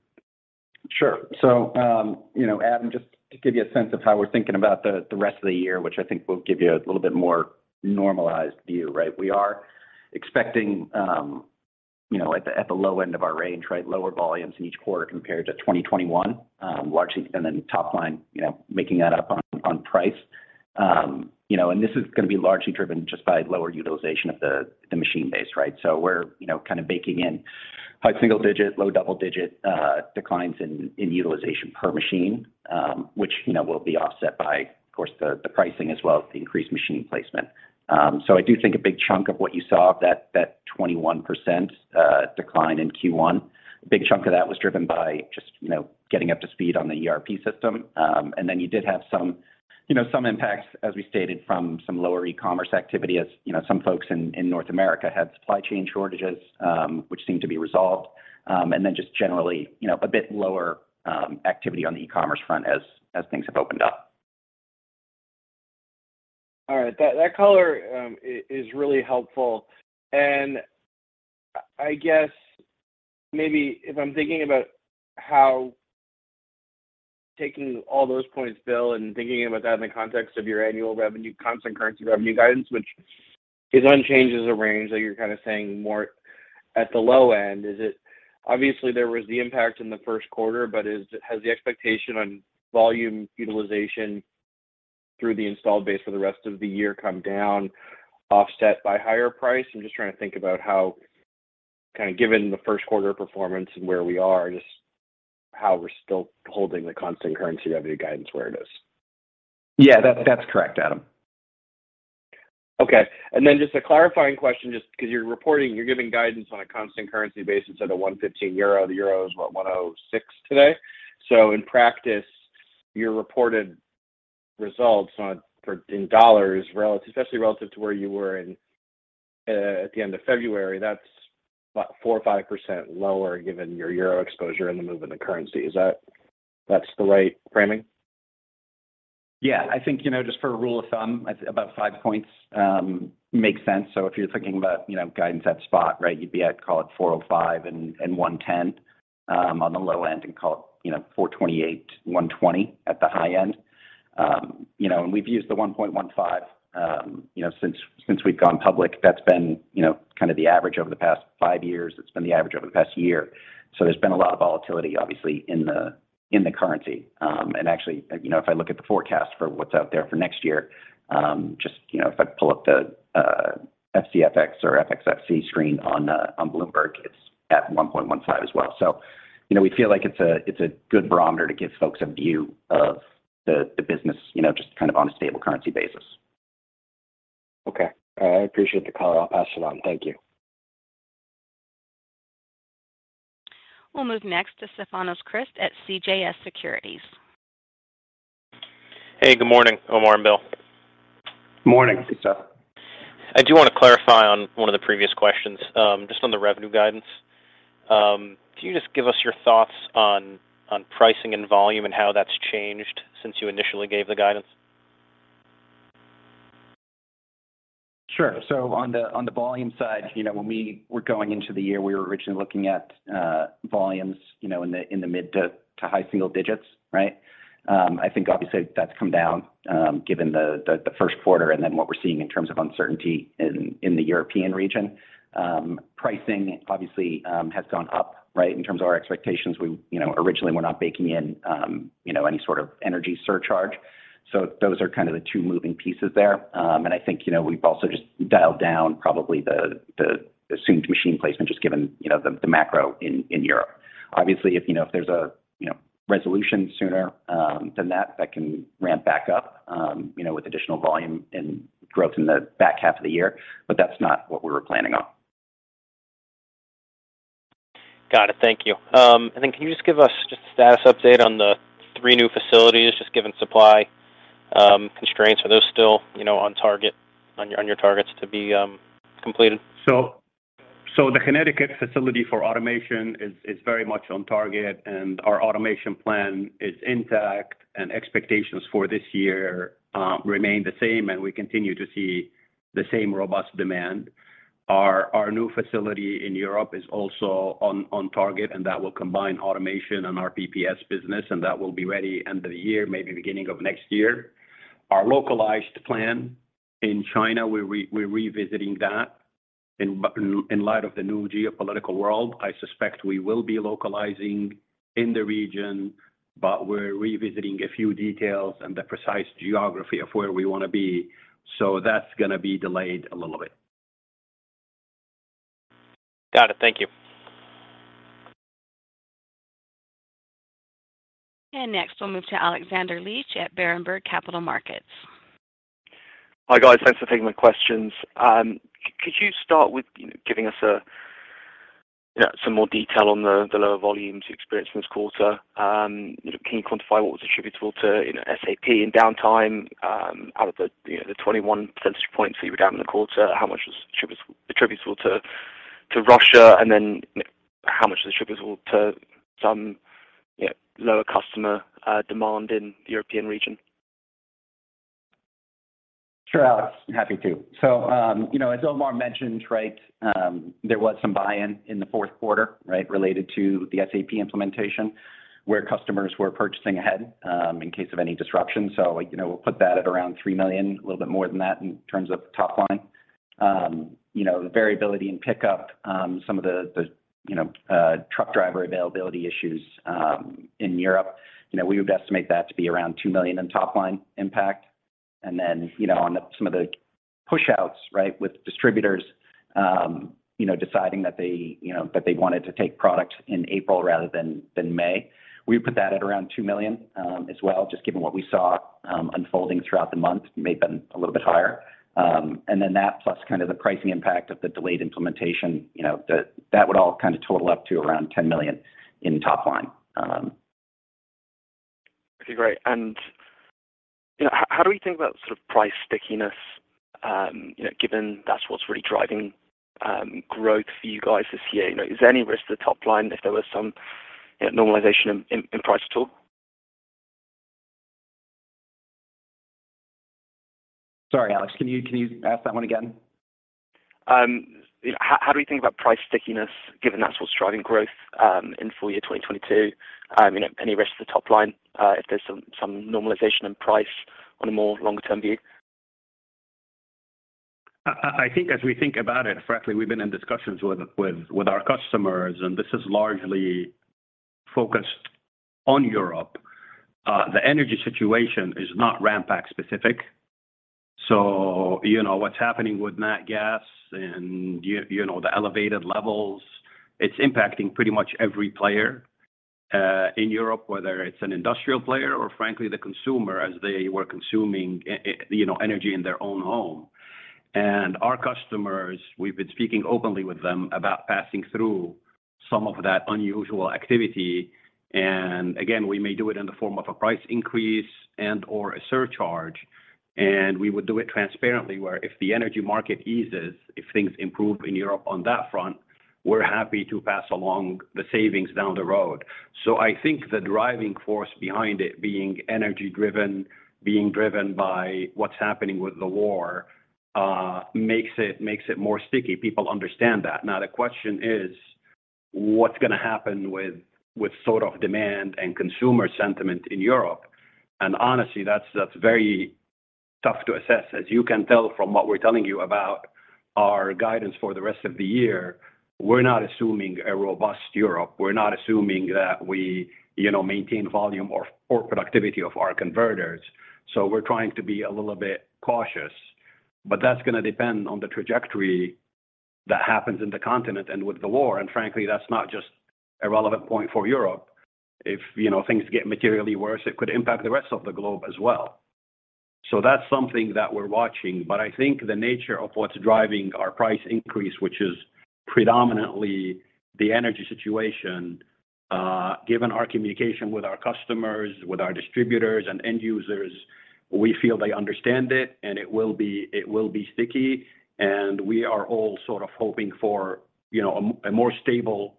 Sure. You know, Adam, just to give you a sense of how we're thinking about the rest of the year, which I think will give you a little bit more normalized view, right? We are expecting, you know, at the low end of our range, right, lower volumes in each quarter compared to 2021, largely offset on top line, you know, making that up on price. You know, and this is gonna be largely driven just by lower utilization of the machine base, right? We're, you know, kind of baking in high single-digit, low double-digit declines in utilization per machine, which, you know, will be offset by, of course, the pricing as well as the increased machine placement. I do think a big chunk of what you saw of that 21% decline in Q1, a big chunk of that was driven by just you know, getting up to speed on the ERP system. You did have some, you know, some impacts, as we stated, from some lower e-commerce activity. As you know, some folks in North America had supply chain shortages, which seemed to be resolved. Just generally, you know, a bit lower activity on the e-commerce front as things have opened up. All right. That color is really helpful. I guess maybe if I'm thinking about how taking all those points, Bill, and thinking about that in the context of your annual revenue, constant currency revenue guidance, which is unchanged as a range that you're kind of saying more at the low end. Obviously, there was the impact in the first quarter, but has the expectation on volume utilization through the installed base for the rest of the year come down, offset by higher price? I'm just trying to think about how, kind of given the first quarter performance and where we are, just how we're still holding the constant currency revenue guidance where it is. Yeah, that's correct, Adam. Okay. Then just a clarifying question, just 'cause you're reporting, you're giving guidance on a constant currency basis at a 1.15 euro. The euro is, what, 1.06 today. So in practice, your reported results in dollars relative, especially relative to where you were in at the end of February, that's about 4% or 5% lower given your euro exposure and the move in the currency. Is that the right framing? Yeah. I think, you know, just for a rule of thumb, it's about 5 points, makes sense. If you're thinking about, you know, guidance at spot, right, you'd be at, call it 4.05% and 1.10%, on the low end, and call it, you know, 4.28%, 1.20% at the high end. You know, and we've used the 1.15, you know, since we've gone public. That's been, you know, kind of the average over the past five years. It's been the average over the past year. There's been a lot of volatility, obviously, in the currency. Actually, you know, if I look at the forecast for what's out there for next year, just, you know, if I pull up the FCFX or FXXF screen on Bloomberg, it's at 1.15 as well. You know, we feel like it's a good barometer to give folks a view of the business, just kind of on a stable currency basis. Okay. I appreciate the call. I'll pass it on. Thank you. We'll move next to Stefanos Crist at CJS Securities. Hey, good morning, Omar and Bill. Morning. Hey, Stef. I do wanna clarify on one of the previous questions, just on the revenue guidance. Can you just give us your thoughts on pricing and volume and how that's changed since you initially gave the guidance? Sure. On the volume side, you know, when we were going into the year, we were originally looking at volumes, you know, in the mid- to high single digits, right? I think obviously that's come down, given the first quarter and then what we're seeing in terms of uncertainty in the European region. Pricing obviously has gone up, right? In terms of our expectations, we, you know, originally were not baking in, you know, any sort of energy surcharge. Those are kind of the two moving pieces there. I think, you know, we've also just dialed down probably the assumed machine placement just given, you know, the macro in Europe. Obviously, you know, if there's a resolution sooner than that can ramp back up, you know, with additional volume and growth in the back half of the year, but that's not what we were planning on. Got it. Thank you. Then can you just give us a status update on the three new facilities, just given supply constraints. Are those still, you know, on your targets to be completed? The Connecticut facility for automation is very much on target, and our automation plan is intact, and expectations for this year remain the same, and we continue to see the same robust demand. Our new facility in Europe is also on target, and that will combine automation and our PPS business, and that will be ready end of the year, maybe beginning of next year. Our localized plan in China, we're revisiting that in light of the new geopolitical world. I suspect we will be localizing in the region, but we're revisiting a few details and the precise geography of where we wanna be. That's gonna be delayed a little bit. Got it. Thank you. Next, we'll move to Alexander Leach at Berenberg Capital Markets. Hi, guys. Thanks for taking my questions. Could you start with giving us some more detail on the lower volumes you experienced this quarter? Can you quantify what was attributable to, you know, SAP and downtime out of the, you know, the 21 percentage points that you were down in the quarter? How much was attributable to Russia? Then how much is attributable to some, you know, lower customer demand in the European region? Sure, Alex. Happy to. You know, as Omar mentioned, right, there was some buy-in in the fourth quarter, right, related to the SAP implementation, where customers were purchasing ahead, in case of any disruption. You know, we'll put that at around $3 million, a little bit more than that in terms of top line. You know, the variability in pickup, some of the, you know, truck driver availability issues, in Europe, you know, we would estimate that to be around $2 million in top line impact. Then, you know, on some of the pushouts, right, with distributors, you know, deciding that they, you know, that they wanted to take products in April rather than than May. We put that at around $2 million, as well, just given what we saw unfolding throughout the month, may have been a little bit higher. That plus kind of the pricing impact of the delayed implementation, you know, that would all kind of total up to around $10 million in top line. Okay. Great. You know, how do we think about sort of price stickiness, you know, given that's what's really driving growth for you guys this year? You know, is there any risk to the top line if there was some, you know, normalization in price at all? Sorry, Alex. Can you ask that one again? How do we think about price stickiness given that's what's driving growth in full year 2022? You know, any risk to the top line if there's some normalization in price on a more longer term view? I think as we think about it, frankly, we've been in discussions with our customers, and this is largely focused on Europe. The energy situation is not Ranpak specific. You know, what's happening with nat gas and you know, the elevated levels, it's impacting pretty much every player in Europe, whether it's an industrial player or frankly the consumer as they were consuming you know, energy in their own home. Our customers, we've been speaking openly with them about passing through some of that unusual activity. Again, we may do it in the form of a price increase and/or a surcharge, and we would do it transparently, where if the energy market eases, if things improve in Europe on that front, we're happy to pass along the savings down the road. I think the driving force behind it being energy driven, being driven by what's happening with the war, makes it more sticky. People understand that. Now the question is, what's gonna happen with sort of demand and consumer sentiment in Europe? Honestly, that's very tough to assess. As you can tell from what we're telling you about our guidance for the rest of the year, we're not assuming a robust Europe. We're not assuming that we, you know, maintain volume or productivity of our converters. We're trying to be a little bit cautious, but that's gonna depend on the trajectory that happens in the continent and with the war. Frankly, that's not just a relevant point for Europe. If, you know, things get materially worse, it could impact the rest of the globe as well. That's something that we're watching. I think the nature of what's driving our price increase, which is predominantly the energy situation, given our communication with our customers, with our distributors and end users, we feel they understand it, and it will be sticky. We are all sort of hoping for, you know, a more stable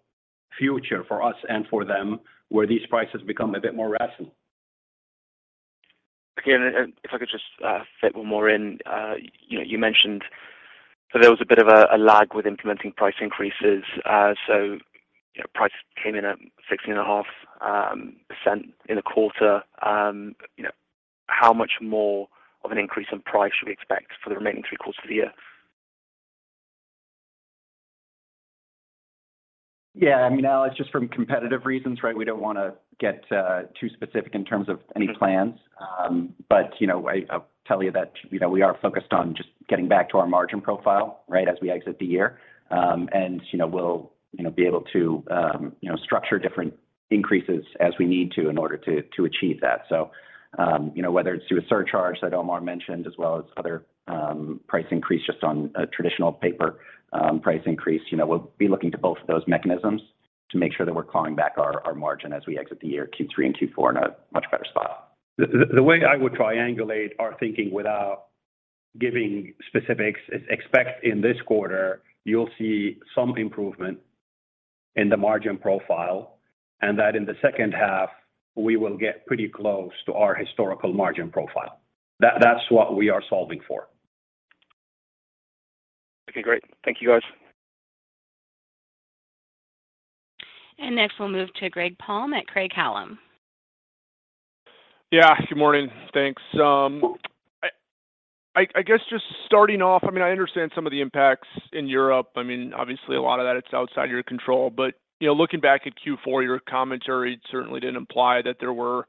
future for us and for them, where these prices become a bit more rational. Again, if I could just fit one more in. You know, you mentioned that there was a bit of a lag with implementing price increases. Prices came in at 16.5% in the quarter. You know, how much more of an increase in price should we expect for the remaining three quarters of the year? Yeah. I mean, Al, it's just from competitive reasons, right? We don't wanna get too specific in terms of any plans. You know, I'll tell you that, you know, we are focused on just getting back to our margin profile, right, as we exit the year. You know, we'll, you know, be able to structure different increases as we need to in order to achieve that. You know, whether it's through a surcharge that Omar mentioned as well as other price increase just on a traditional paper price increase, you know, we'll be looking to both of those mechanisms to make sure that we're clawing back our margin as we exit the year, Q3 and Q4 in a much better spot. The way I would triangulate our thinking without giving specifics is expect in this quarter you'll see some improvement in the margin profile, and that in the second half we will get pretty close to our historical margin profile. That's what we are solving for. Okay, great. Thank you, guys. Next we'll move to Greg Palm at Craig-Hallum. Yeah. Good morning. Thanks. I guess just starting off, I mean, I understand some of the impacts in Europe. I mean, obviously a lot of that it's outside your control. You know, looking back at Q4, your commentary certainly didn't imply that there were,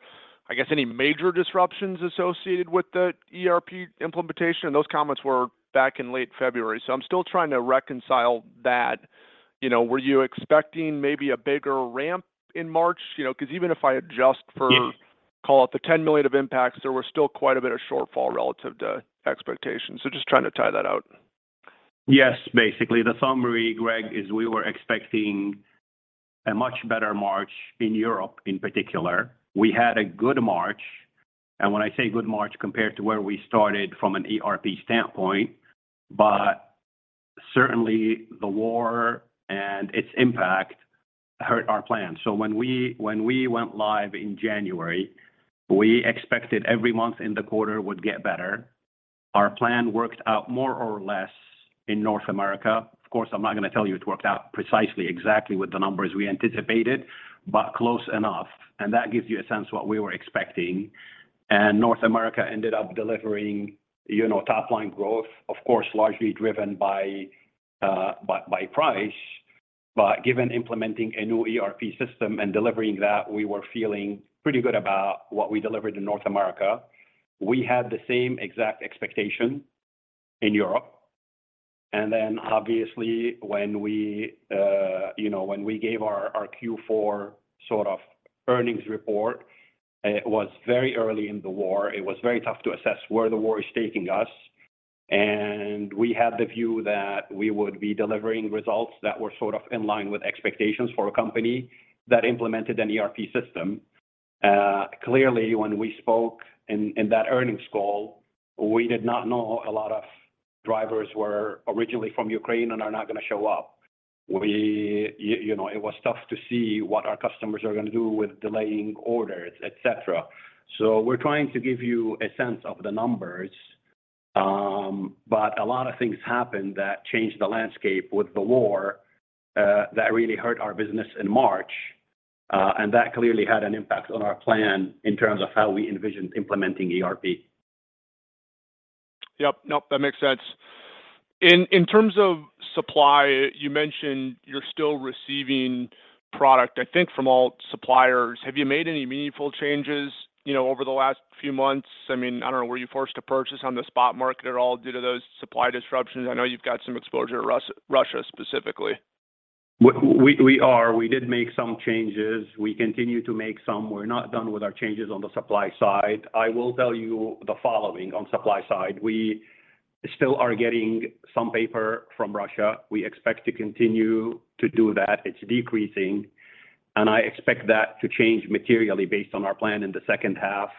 I guess, any major disruptions associated with the ERP implementation, and those comments were back in late February. I'm still trying to reconcile that. You know, were you expecting maybe a bigger ramp in March? You know, 'cause even if I adjust for call it the $10 million of impacts, there were still quite a bit of shortfall relative to expectations. Just trying to tie that out. Yes. Basically, the summary, Greg, is we were expecting a much better March in Europe in particular. We had a good March, and when I say good March, compared to where we started from an ERP standpoint. Certainly the war and its impact hurt our plan. When we went live in January, we expected every month in the quarter would get better. Our plan worked out more or less in North America. Of course, I'm not gonna tell you it worked out precisely exactly with the numbers we anticipated, but close enough, and that gives you a sense of what we were expecting. North America ended up delivering, you know, top-line growth, of course, largely driven by price. Given implementing a new ERP system and delivering that, we were feeling pretty good about what we delivered in North America. We had the same exact expectation in Europe. Obviously when we gave our Q4 sort of earnings report, it was very early in the war. It was very tough to assess where the war is taking us, and we had the view that we would be delivering results that were sort of in line with expectations for a company that implemented an ERP system. Clearly when we spoke in that earnings call, we did not know a lot of drivers were originally from Ukraine and are not gonna show up. You know, it was tough to see what our customers are gonna do with delaying orders, etc. We're trying to give you a sense of the numbers, but a lot of things happened that changed the landscape with the war, that really hurt our business in March. That clearly had an impact on our plan in terms of how we envisioned implementing ERP. Yep. Nope. That makes sense. In terms of supply, you mentioned you're still receiving product, I think, from all suppliers. Have you made any meaningful changes, you know, over the last few months? I mean, I don't know, were you forced to purchase on the spot market at all due to those supply disruptions? I know you've got some exposure to Russia specifically. We are. We did make some changes. We continue to make some. We're not done with our changes on the supply side. I will tell you the following on supply side. We still are getting some paper from Russia. We expect to continue to do that. It's decreasing, and I expect that to change materially based on our plan in the second half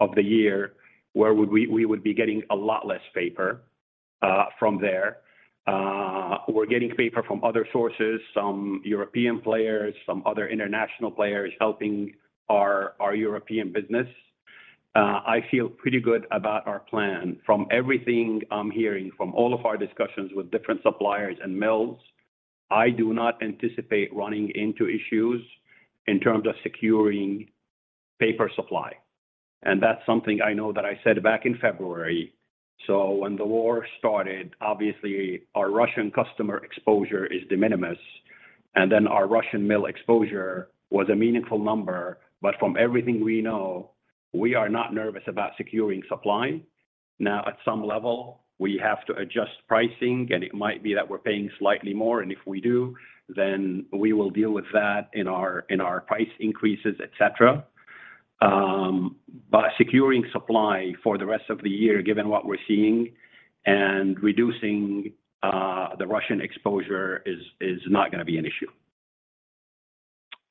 of the year, where we would be getting a lot less paper from there. We're getting paper from other sources, some European players, some other international players helping our European business. I feel pretty good about our plan. From everything I'm hearing from all of our discussions with different suppliers and mills, I do not anticipate running into issues in terms of securing paper supply. That's something I know that I said back in February. When the war started, obviously our Russian customer exposure is de minimis, and then our Russian mill exposure was a meaningful number. From everything we know, we are not nervous about securing supply. Now, at some level, we have to adjust pricing, and it might be that we're paying slightly more. If we do, then we will deal with that in our price increases, et cetera. Securing supply for the rest of the year, given what we're seeing and reducing the Russian exposure is not gonna be an issue.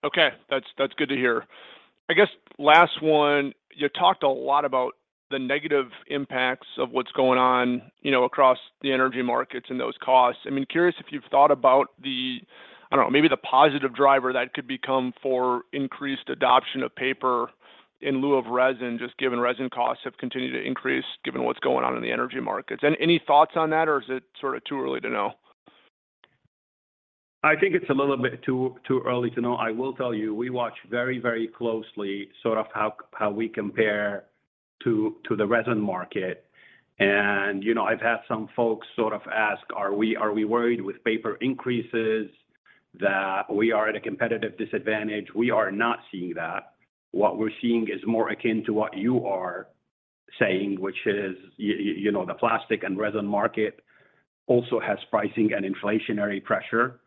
Okay. That's good to hear. I guess last one, you talked a lot about the negative impacts of what's going on, you know, across the energy markets and those costs. I mean, curious if you've thought about the, I don't know, maybe the positive driver that could become for increased adoption of paper in lieu of resin, just given resin costs have continued to increase given what's going on in the energy markets. Any thoughts on that, or is it sort of too early to know? I think it's a little bit too early to know. I will tell you, we watch very closely sort of how we compare to the resin market. You know, I've had some folks sort of ask, are we worried with paper increases that we are at a competitive disadvantage? We are not seeing that. What we're seeing is more akin to what you are saying, which is, you know, the plastic and resin market also has pricing and inflationary pressure.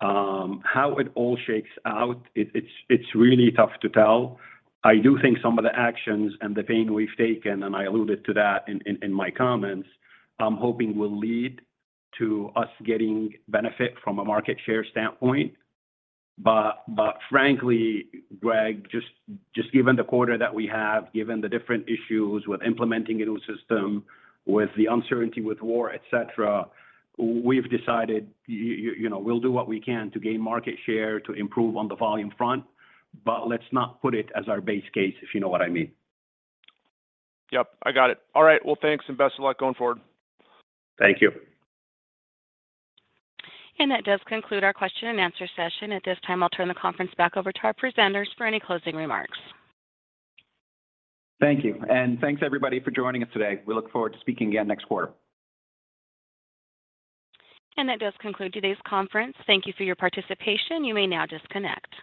How it all shakes out, it's really tough to tell. I do think some of the actions and the pain we've taken, and I alluded to that in my comments, I'm hoping will lead to us getting benefit from a market share standpoint. Frankly, Greg, just given the quarter that we have, given the different issues with implementing a new system, with the uncertainty with war, et cetera, we've decided, you know, we'll do what we can to gain market share to improve on the volume front, but let's not put it as our base case, if you know what I mean. Yep. I got it. All right. Well, thanks and best of luck going forward. Thank you. That does conclude our question and answer session. At this time, I'll turn the conference back over to our presenters for any closing remarks. Thank you. Thanks everybody for joining us today. We look forward to speaking again next quarter. That does conclude today's conference. Thank you for your participation. You may now disconnect.